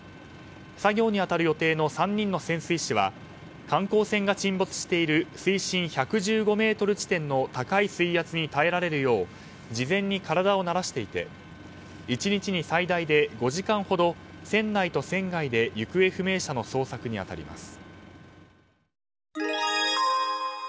作業に当たる予定の３人の潜水士は観光船が沈没している水深１１５ｍ地点の高い水圧に耐えられるよう事前に体を慣らしていて１日に最大で５時間ほど船内と船外で行方不明者の捜索に当たります。